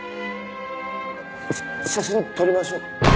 写真撮りましょうか？